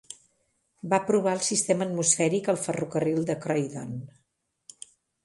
Va provar el sistema atmosfèric al ferrocarril de Croydon.